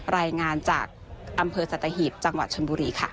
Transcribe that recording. รายงานจากอำเภอสัตหีบจังหวัดชนบุรีค่ะ